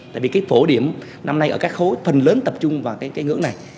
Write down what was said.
tại vì cái phổ điểm năm nay ở các khối phần lớn tập trung vào cái ngưỡng này